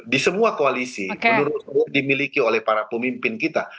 di semua koalisi menurut saya dimiliki oleh para pemimpin kita